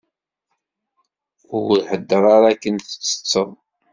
Ur hedder ara akken tettetteḍ.